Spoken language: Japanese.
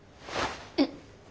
えっ！？